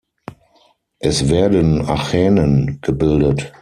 Es werden Achänen gebildet.